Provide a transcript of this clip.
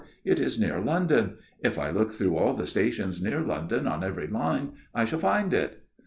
It is near London. If I look through all the stations near London on every line, I shall find it."